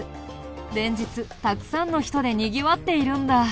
連日たくさんの人でにぎわっているんだ。